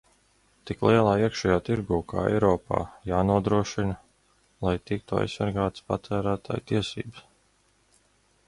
Tik lielā iekšējā tirgū kā Eiropā jānodrošina, lai tiktu aizsargātas patērētāju tiesības.